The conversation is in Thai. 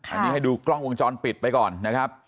อันนี้ให้ดูกล้องวงจรปิดไปก่อนนะครับ